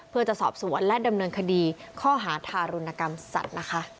เพื่อจะสอบสวนและดำเนินคดีข้อหาทารุณกรรมสัตว์นะคะ